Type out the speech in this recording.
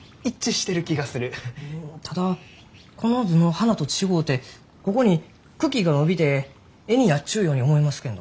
ただこの図の花と違うてここに茎が伸びて柄になっちゅうように思いますけんど。